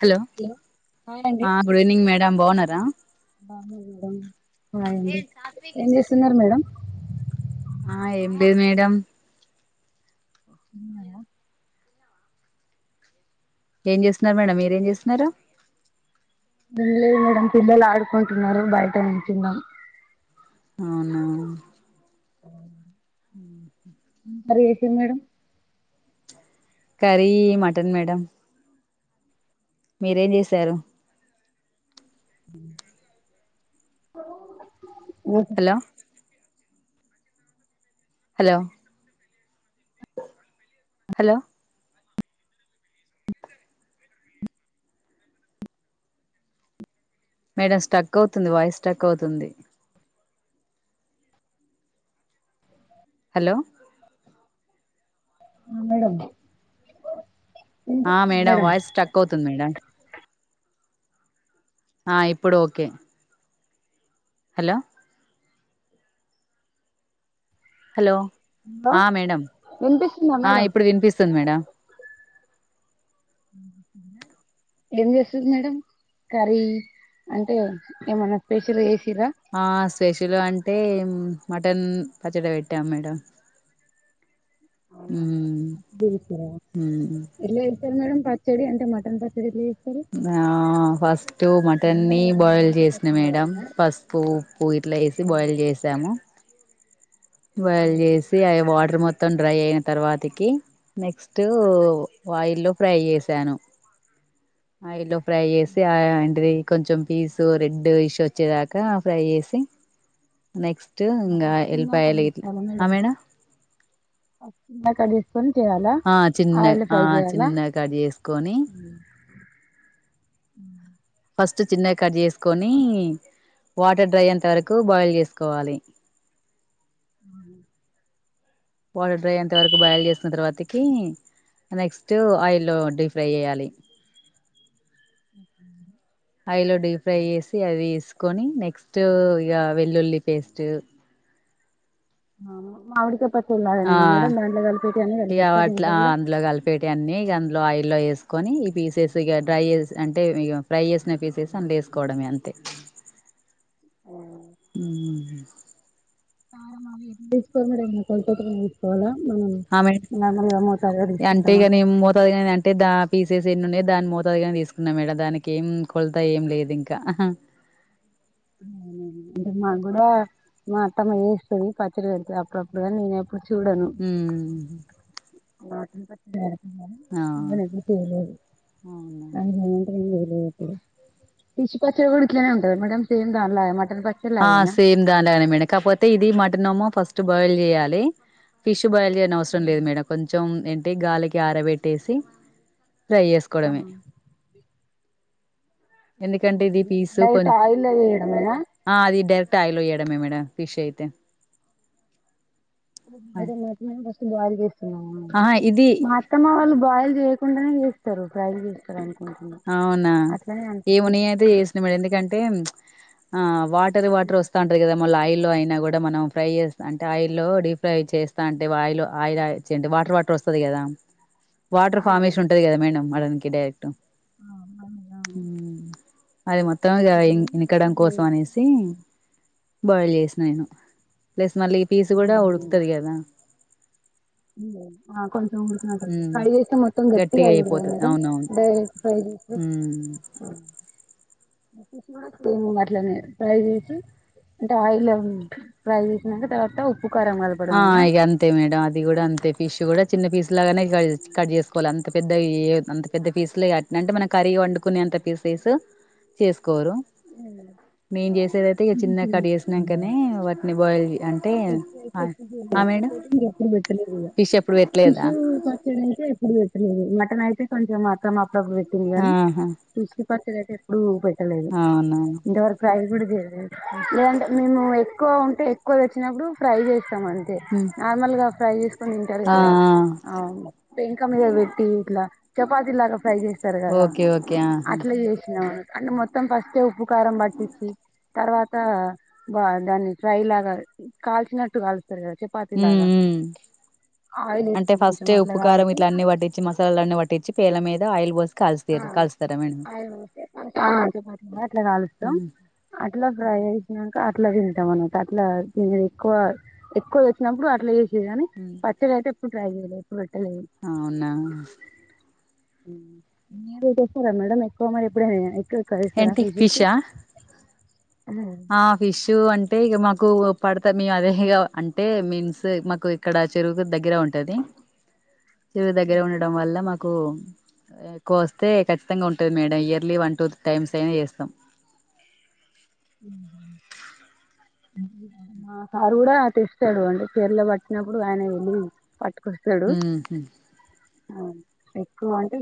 Hello good evening madam బాగున్నారా బాగున్న madam high అండి ఏం చేస్తున్నారు మేడమ్ ఆ ఏమి లేదు మేడమ్ తిన్నారా ఏం చేస్తున్నారు మేడం మీరేం చేస్తున్నారుార లేదు మేడమ్ పిల్లలు ఆడుకుంటున్నారు బయట ని నిల్చున్నాను అవున అ ఉ మరి ఏం చేసినారు మేడం కరీ మటన్ మేడం మీరేం చేసారు? [unintelligible] Hello hello hello madam stuck అవుతుంది వాయిస్ స్టక్ అవుతుంది. హలో ఆ మేడం ఆ వినిపిస్తుందా మేడమ్ మేడం వయిస్ స్టక్ అవుతుంది మేడమ్ ఆ ఇప్పుడు ఓకే హలో హలో హలో ఆ మేడం వినిపిస్తుందా ఆ మేడం ఇప్పుడు వినిపిస్తుంది మేడం ఏం చేస్తుది మేడం కర్రీ అంటే ఏమన్నా స్పెషల్ చే ఆ సెషలో అంటే మటన్ పచ్చడి పెట్టాము మేడం మ్మ్ ఎట్ల మ్మ్ చేస్తారు మేడం పచ్చడి అంటే మటన్ పచ్చడిలీ ఆ ఫస్ట్ మటన్ని బాయిల్ నాటుకాయ చేసిన పచ్చడి మేడం లాగానా పస్ ఉప్పు ఇట్లా వేసి బాయిల్ చేసాము బయల్ చేసి అవి వాటర్ మొత్త మొత్తం డ్రై అయిన తర్వాతకి నెక్స్ట్ ఆయిల్లో ఫ్రై చేసాను అయిలో ఫ్రై చేసి ఆ ఇంటిది కొంచెం పీసు రెడ్ ఇస్ వచ్చేదాకా ఫ్రై చేసి నెక్స్ట్ ఇంకా చిన్నగా కట్ ఎల్లిపాయలు ఇట్లా చేసుకోవాలా ఆ మేడం చిన్న కడ ఆ చిన్న ఆ చేయాలా చిన్నగా కట్ చేసుకొని ఫస్ట్ చిన్నగా కట్ చేసుకొని వాటర్ డ్రై అయ్యేంత వరకు బాయిల్ చేసుకోవాలి పౌడర్ డ్రై అంతవరకు బాయిల్ చేసిన తర్వాతకి నెక్స్ట్ ఆయిల్లో డీప్ ఫ్రై చేయాలి ఆయిల్ లో డీప్ ఫ్రై చేసి అది వేసుకొని నెక్స్ట్ ఇక వెల్లుల్లి పేస్ట్ మామిడికాయ పచ్చ ఆ ఇక వాట్లా దీంట్లో కూడా అందులో కలిపేటి అన్ని ఇక అందులో ఆయిల్లో వేసు ని పీసెస్ ఇ డ్రై అంటే ఫ్రై చేసిన పీసెస్ అని వేసుకోవడం అంతే తీసుకోవాలి మేమ కొలత తో తీసుకోవాలా మనం ఆ మేడం నార్మల్గా మోతాదుగా తీసుకుంటామా అంటగా నిమ్ మూత అంటద్ద పీసెస్ ఎన్ని ఉన్నాయో దాని మోతాదుగాని తీసుకున్నా మేడ దానికి ఏం కొలతా ఏం లేదు ఇంకా అంటే మా కూడా మా అత్తమ్మ ఏస్తుంది పచ్చ వెళ్తుంది అప్పుడప్పుడు నేను చూడను ఉమ్ [unintelligible] ఆ నేను ఎప్పుడూ చేయలేదు అవునా [unintelligible] ఫిష్ పచ్చడి కూడా ఇలనే ఉంటారు మ్యాడం సేమ్ దా సేమ్ దాని లాగానే మేడం కాపోతే ఇది మాటనమో ఫస్ట్ బాయిల్ చేయాలి ఫిష్ బయాలు అవసరం లేదు మేడం కొంచెం ఏంటి గాలికి ఆరబెట్టేసి ట్రై చేసుకోవడమే ఎందుకంటే ఇది డైట్ ఆయిల్వి ఇడమనా మాది డైరెట్ ఆయలో ఇయడమే మేడ ఫిష్ అయితే బా మ బస్ బాగా వేస్తున్నా ఆహా ఇది మాత్త మా వాళ్లు బాయిల్ చేయకుండానే చేస్తారు ఫ్రై చేస్తారు అంట అవునా ఏము న అయితే నాకు చేసినా మడ ఎందుకంటే ఆ వాటర్ వాటర్ వస్తాంటారు కదా మళ్ళీ అయినా కూడా మనం ఫ్రై చేస్తా అంటే ఆయిల్లో డీప్ ఫ్రై చేస్తా అంటే ఆయిల్ ఆయిల్ వాటర్ వాటర్ వస్తుంది కదా వాటర్ ఫామేషన్ అవును ఉంటది కదా మేడం మనికి డరెక్ట్టు హ అది మొత్తం ఎనకడం కోసం అనేసి బాయిల్ చేసినేను ప్లస్ మళ్ళీ పీసు కూడా ఉడుకుతుంది కదా ఇ కొంచం కై దసం మొత్తం గట్టియి గట్టిగా అై అయిపోతది అవునవును అట్లనే ఫ్రై చేసి అంటే ఆయిల్ ఫ్రై చేసినాక తర్వాత కారం ఆ కలపడమేనా అ అంతే మేడ అది కూడా అంతే పిశు కూడాడా చిన్న పీస్ ఇట్లాగానే కట్ చేసుకోవాలి అంత అంత పెద్ద ఏ అంత పెద్ద పీస్లు అంటే మనం కర్రీ వండుకునే అంత పీస్ వేసి చేసుకోరు మేం చేసేదైతే ఇక చిన్న కట్ చేసినాం కానీ వాటిని బాయిల్ అంటే అదే కిష అయితే మీరు ఎప్పుడు పెట్టలేదు కదా ఫిష్ ఎప్పుడు పెట్టలేదా కిషూ ఖర్చుడి నుంచిే ఎప్పుడు పె మటన్ అయితే కొంచెం మాత్ర వటిందిగానే ఆహా ప క ఎప్పుడు లేదు అవునవును ఇంతవరకు ప్రై కూడా చేయడి లేదంటే మేము ఎక్వ ఉంటా ఎక్కువ చిినప్పుడు ఫ్రై చే ఇష్టం అంతే నార్మల్ గా ఫయి వింటారు ఆ కదా ప్రింకా మీ పెట్టి ఇట్లా చపాతి లాగా ఫ్రై చేస్తారు కదా ఓకే ఓకే ఆహా అట్లా చేసినా అంటే మొత్తం ఫస్ట్ ఉప్పు కారం బాటిచ్చ తర్వాత బ దాన్ని ఫ్రై లాగా కాల్చినట్టు కాల్చ ఉ ఆయిల్ అంటే వేసుకొని కొంచెం ఫస్ట్ అట్లా ఉప్పుకారం కాల్చి ఇట్ల అన్ని పట్టించి మసాలాలన్ని పట్టించి పేల మీద అయల్ బోస్ అ అట్లా కాలుస్తాం అట్లా ఫ్రై క అట్లా తింటాం అనకు అట్లా ద ఎక్కువ ఎక్కువ వచ్చినప్పుడు అట్లా ని పచ్చే రతే - [inaudible] అవునా ఉమ్ మీరు చేస్తారా మేడం ఎక్కువ మరి ఇప్పుడు ఎ ఏంటి ఫిషా ఆ ఫిష్ అంటే ఇగా మాకు పడతా మేము అదేగా అంటే మీన్స్ మాకు ఇక్కడ చెరువుకు దగ్గర ఉంటది చెరుగు దగ్గర ఉండడం వల్ల మాకు కు ఎక్కువ వస్తే ఖచ్చితంగా ఉంటుంది madam yearly one two times అయినా చేస్తాం మా సారు కూడా తెస్తాడు అంటే పీరలో పట్టినప్పుడు ఆయన వెళ్ళి పట్టు ఉమ్ హ్మ్మ్ ఎక్కువ అంటే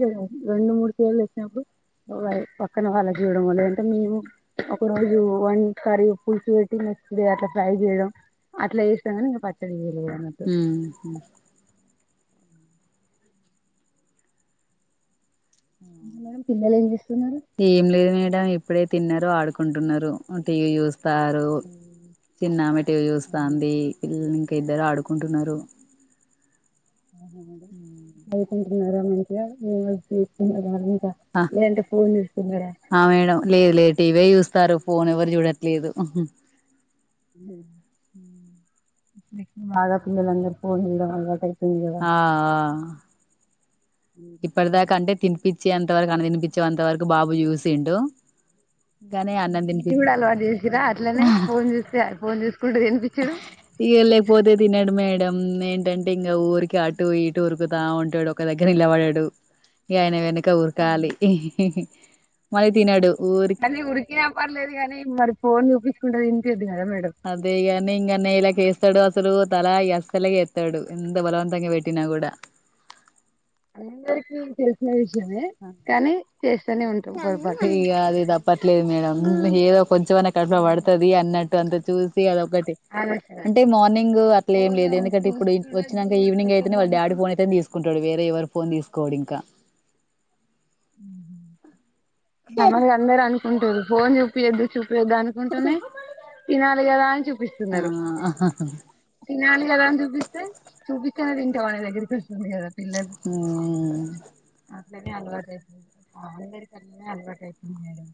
రెండు మూడు కేేళ్లు వచ్చినప్పుడు పక్కన వాళ్ళ జీవడం వ అంటే మేము ఒక రోజు వన్ కర్ర పులుసు పెట్టి మె అట్లా ఫ్రై చేయడం అట్లా వస్తాని ఇంకా పచ్చడి చేయా హ్మ్మ్ ఉమ్ అ మేడం పిల్లలు ఏం చేస్తున్నారు ఏం లేదు మేడం ఇప్పుడే తిన్నారు ఆడుకుంటున్నారు టీవీ చూ స్తారు ఉమ్, చిన్నమె టీవి అవునా, చూస్తుంది ఉమ్ ఇద్దరు ఆడుకుంటున్నారు అయింటన్నరా మంచిగా చూసుకుంటున్నారండి ఆ ఆ మేడం లేదు లేదు టీవీ చూస్తారు ఫోన్ ఎవరు చూడట్లేదు మ్మ్ హ్మ్ మ్ మ్మ్ బాగా పిల్లలందరూ ఫోన్ జూడం అలవాటై ఆ ఇప్పటిదాకా అంటే తినిపి చ్చి అంత వరకు అన్నం దినిపిచ్చే అంతవరకు బాబు జూసిండు కూడా అలవాటు జేసిరా అట్లనే ఫోన్ చూస్తే ఫోన్ చూసు ఇగ లేకపోతే తినడు మేడం మ్మ్ ఏంటంటే ఇంకా ఊరికే అటు ఇటు ఉరుకుతా ఉంటాడు. ఒక దగ్గర నిలబడడు ఇగ ఆయన వెన క ఉరకాలి మళ్ళీ తినడు ఊరి కాని ఉరికినా పర్లేదు కాని మరి ఫోన్ చూపిస్ కుంట తినిపియక్ అదేగా అన్నీ నేలకేస్తడు అస్ సలు తల అస్సలగి ఎత్తాడు ఎంత బలవంతంగా పెట్టినా కూడా అందరికీ తెలిసిన విష యమే కానీ చేస్తూనే ఉంటాం పొరపాటు ఇ అది తప్పట్లేదు మేడం ఏదో క్ కొంచెమన్నా కడుపుల పడుతుది అన్నట్ అంత చూసి అదొక్ ఒకటి ఆలోచన అంటే మార్నింగ్ అట్లా ఏం ఫోన్ లేదు ఎందుకంటే ఇప్పుడు చూడద్దు వచ్చినాక ఈవినింగ్ అయితేనే పెట్టద్దు వాళ్ళ డాడి ఫోన్ అనుకుంటాం అయితేనే తీసుకుంటాడు వేరే ఎవరు ఫోన్ తీసుకోడు ఇంకా మ్మ్ హ్మ్ నమరే అందరన్ ఉంటుంది ఫోన్ చూపి యొద్దు చూ ను గానుకుంటునే తినాలి గదా అని చెప్ విస్తున్నరు ఆ తినాలి కదా అని చూపిస్తే చూపి కాయ తింటావా ను దగ్గరికొస్తుంది కదా మ్మ్ ఇట్లనే అలవాటై అందరికీ అన్నీ అలవాటైతున్నాయ్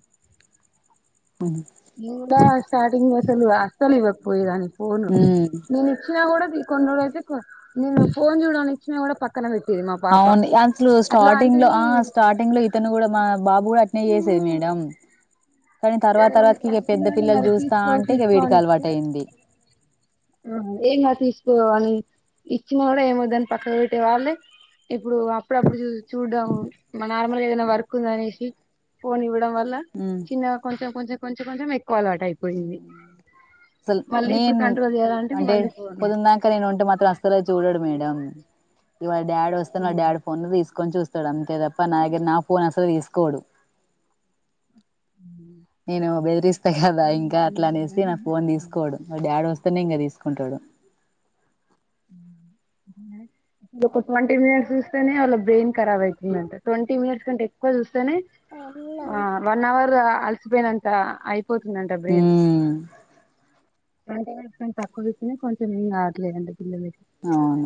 ఔన్ ను గూడా స్టార్టింగ్ వసలు అస్సలి ఇవ్వకపోయె దానివి పోను ఉమ్ నువ్ ఇచ్చినా కూడా ది కొన్నిోడు అయితే నేను ఫోన్ చూడాలని ఇచ్చిన కూడా పక్కన పెట్ అవును అసలు స్టార్టింగ్ లో ఆ స్టార్టింగ్ లో ఇతను కూడా మా బాబు కూడా ్యే సర మేడం కానీ తర్వాత తర్వాతకి ఇక పెద్ద పిల్లలు చూస్తా తీసుకో అంటే ఇక తీసుకో వీడికి అనిస్తే అలవాటు అయింది ఏం కా తీసుకోాలని ఇచ్చినా కూడా ఏమో దాని పక్కకు పెట్టే వాళ్ళే ఇప్పుడు అప్పుడప్పుడు చూ చూడడం నార్మల్గా ఏదైనా వర్క్ ఉంద అనేసి ఫోన్ ఇవ వల్ల ఉమ్, చిన్న కొంచెం కొంచెం కొంచె కొంచెం అలవాటు అయిపోయింది సల్ మళ్ళీ ఇప్పుడు నేను కంట్రోల్ చేయాలంటే అంటే మళ్ళీ ఫోను పొద్ందాక నేను ఉంటే మాత్రం అసలు చూడడు మేడం ఇ డాడ వస్తే ఉ డాడ ఫోన్ ను తీసుకు కొని చూస్తాడు అంతే తప్ప నా దగ్గర నా ఫోన్ అసలు తీసుకోడు నేను బెదిరిస్తా కదా అవును, ఇంకా అట్లా అనేసి నిజంగానే. నాకు ఫోన్ తీసుకోడు డాడ వస్త సత్తనీయంగా తీసుకుంటాడు అ ఒక ట్వంటీ మినిట్స్ చూస్తేనే వాళ్ళ బ్రెయిన్ రాబ్ అయితుందింట ట్వంటీ మినిట్స్ కంటే ఎక్కువ చూస్త వన్ అవర్ అ బేనంతా ఆయి పోతున్నాంట బేను ఉమ్, అంటే ఇం తక్కువ విచ్చిన కొంచెం ఏం ఆట్లేదండి ఇ అవును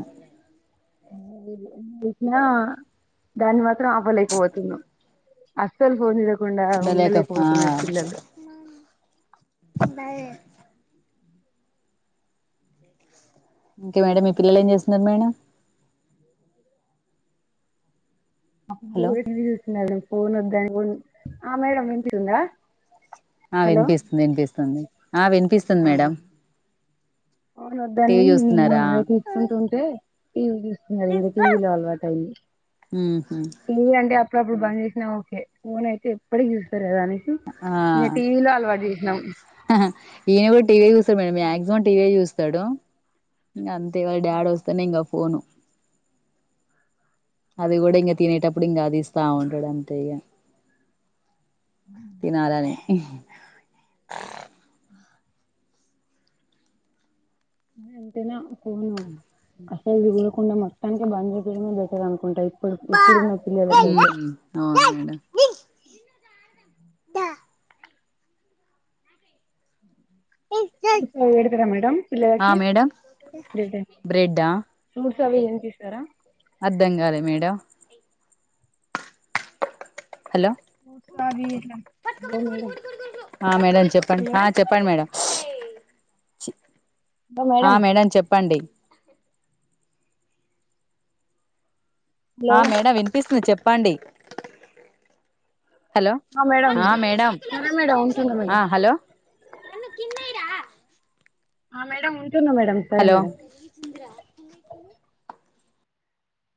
ఎంచేసినా దాన్ని మాత్రం ఆపలేకపోతున్నా అస్సల్ ఫోన్ చూడకుండా ఉండలేక హా ఉండలేకపోతున్నారు పిల్లలు ఇంకేం మేడం మీ పిల్లలు ఏం చేస్తున్నారు మేడం హలో [unintelligible] ఫోన్ వద్దని ఆ మేడమ్ వినిపిస్తుందా ఆ హలో వినిపిస్తుంది వినిపిస్తుంది ఆ వినిపిస్తుంది మేడం ఫోన్ వద్దని టీవీ నేను చూస్తున్నారా మల్ల తీసుకుంటుంటే ఇ [unintelligible] మరియు టీవీ లో అలవాటు అయ్యి హు ఇది అండి అప్పుడప్పుడు బంద్ చేసినా ఓకే ఫోన్ అయితే ఎప్పటికి చూస్తారు కదా అని ఆ ఇగ టీవీ లో అలవాటు చెసిర్రు ఈయన కూడా టీవీ చూస్తారు మేడం మాక్సిమం టీవీ చూస్తా చెడు అంత ఇగ వాళ్ళ డాడ్ వస్తానీ ఇగ పోను అది కూడా ఇంకా తినేటప్పుడు ఇంకా అది ఇస్తా ఉంటాడు అంతే ఇక తినాలానే ఇహ్ అంతేనా ఫోన్ అసలు చూడకుండా మొత్తానికి బంద్ చెపియ్యడమే బెటర్ అనుకుంటా ఇప్పుడు ఇప్పుడున్న ఉమ్ పిల్లలకైతే అవును మేడం మీ సైడ్ పెడతారా మేడం ఆ పిల్లకి మేడం బ్రెడ్ బ్రెడ్డా ఫ్రూట్స్ సవి ఏం తీసారా అర్ధం కాలే మేడం హలో మూస వీ ఆ మేడం చెప్పండి హలో ఆ చెప్పండి మేడం ఛి ఆ మేడం చెప్పండి హలో ఆ మేడమ్ వినిపిస్తుంది చెప్ చెప్పండి హలో మేడం ఆ మేడమ్ సరే మేడం ఉంటున్నా మేడం ఆ హలో ఆ మేడ మేడ సరే హలో మేడ